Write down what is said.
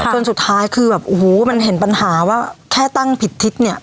จนสุดท้ายคือแบบโอ้โหมันเห็นปัญหาว่าแค่ตั้งผิดทิศเนี่ย